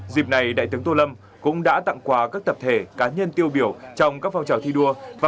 dịp này đại tướng tô lâm cũng đã tặng quà các tập thể cá nhân tiêu biểu trong các phong trào thi đua